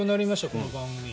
この番組。